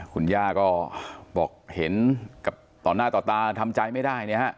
คุณย่าก็บอกเห็นกับต่อหน้าต่อตาทำใจไม่ได้เนี่ยฮะ